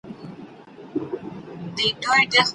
کوم کسان د سخت کار له لاري خپلو هیلو ته رسېدلي دي؟